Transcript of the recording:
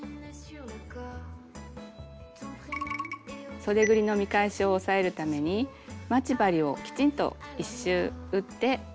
そでぐりの見返しを押さえるために待ち針をきちんと一周打って縫って下さい。